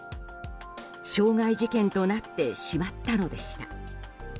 傷害事件となってしまったのでした。